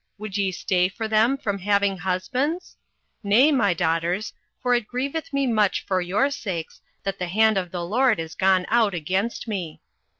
would ye stay for them from having husbands? nay, my daughters; for it grieveth me much for your sakes that the hand of the LORD is gone out against me.